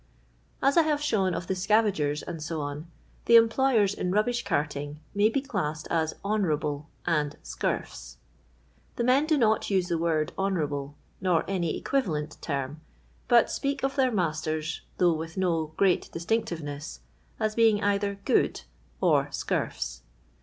As I have shown of the scavauers, &c., the employers in rubbish carting may be classed as " honourable" and scurfs." The men do not use the word " honourable,*' nor any equivalent term, but speak of their masters, though with no great distinctiveness, as being either "good," or ''ecurfs."